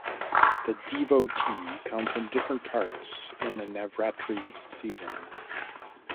The devotee come from different parts in the navratri season.